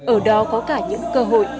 ở đó có cả những cơ hội